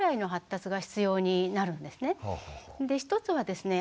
１つはですね